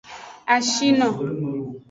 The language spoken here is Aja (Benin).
Ashino.